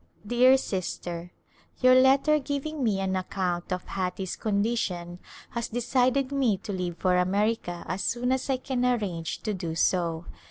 Dear Sister : Your letter giving me an account of Hattie's condition has decided me to leave for America as soon as I can arrange to do so.